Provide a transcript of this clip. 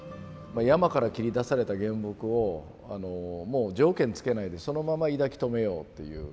山から切り出された原木をもう条件つけないでそのまま抱き留めようっていう。